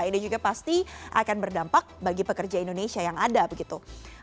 ini juga pasti akan berdampak bagi pekerja indonesia yang ada begitu